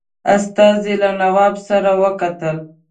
استازي له نواب سره وکتل.